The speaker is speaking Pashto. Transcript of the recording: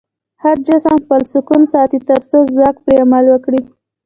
هر جسم خپل سکون ساتي تر څو ځواک پرې عمل وکړي.